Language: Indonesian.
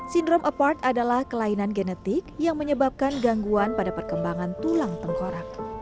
sindrom apart adalah kelainan genetik yang menyebabkan gangguan pada perkembangan tulang tengkorak